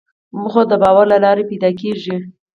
موخه د باور له لارې پیدا کېږي.